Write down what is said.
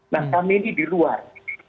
nah kami ini di luar